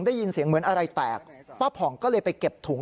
ได้ยินเสียงเหมือนอะไรแตกป้าผ่องก็เลยไปเก็บถุง